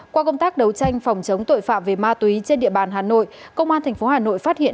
qua công tác đấu tranh phòng chống tội phạm về ma túy trên địa bàn hà nội công an tp hà nội phát hiện